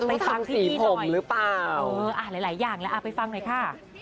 ไปฟังพี่หน่อยหรือเปล่าหลายอย่างแล้วไปฟังหน่อยค่ะ